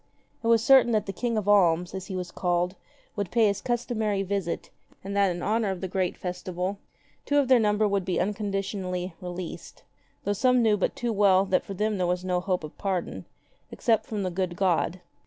It was certain that the King of Alms, as he was called, would pay his customary visit,^ and that in honor of the great festival two of their number would be unconditionally released ; though some knew but too well that for them there was no hope of pardon — except from the good God.